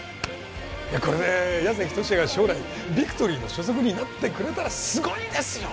これで矢崎十志也が将来ビクトリーの所属になってくれたらすごいですよ